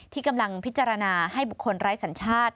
ที่กำลังพิจารณาให้บุคคลไร้สัญชาติ